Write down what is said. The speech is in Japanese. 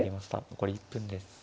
残り１分です。